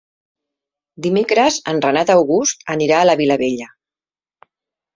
Dimecres en Renat August anirà a la Vilavella.